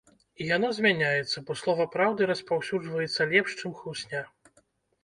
І яно змяняецца, бо слова праўды распаўсюджваецца лепш, чым хлусня.